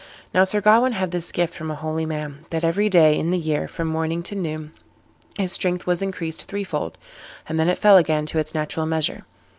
Now Sir Gawain had this gift from a holy man, that every day in the year, from morning to noon, his strength was increased threefold, and then it fell again to its natural measure.